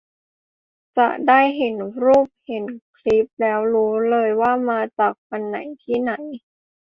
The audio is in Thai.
จะได้เห็นรูปเห็นคลิปแล้วรู้เลย ว่ามาจากวันไหน ที่ไหน